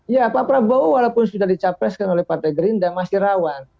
ya pak prabowo walaupun sudah dicapreskan oleh partai gerindra masih rawan